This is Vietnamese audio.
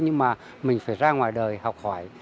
nhưng mà mình phải ra ngoài đời học hỏi